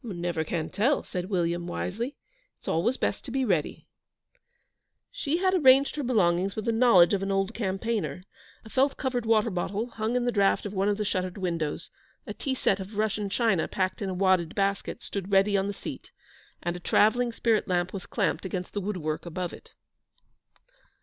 'Never can tell,' said William, wisely. 'It's always best to be ready.' She had arranged her belongings with the knowledge of an old campaigner. A felt covered water bottle hung in the draught of one of the shuttered windows; a tea set of Russian china, packed in a wadded basket, stood ready on the seat: and a travelling spirit lamp was clamped against the woodwork above it.